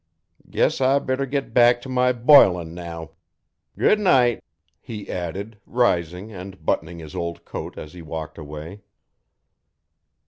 Guess I better git back t' my bilin' now. Good night,' he added, rising and buttoning his old coat as he walked away.